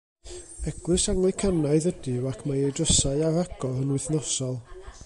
Eglwys Anglicanaidd ydyw ac mae ei drysau ar agor yn wythnosol.